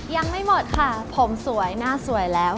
ยังไม่หมดค่ะผมสวยหน้าสวยแล้ว